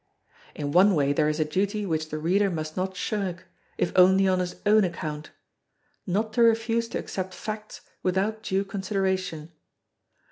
In one way there is a duty which the reader must not shirk, if only on his own account: not to refuse to accept facts without due consideration.